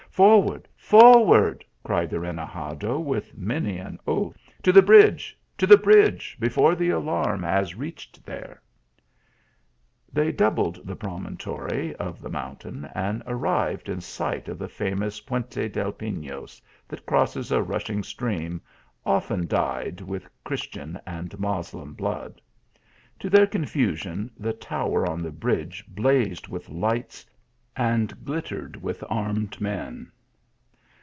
44 Forward ! forward !" cried the renegado, with many an oath " to the bridge ! to the bridge ! before the alarm has re ached there." 154 THE ALHAMBRA. They doubled the promontory of the mountain, and arrived in sight of the famous Puente del Pinos, that crosses a rushing stream often dyed with Chris tian and Moslem blood. To their confusion the tower on the bridge blazed with lights and glittered with armed men.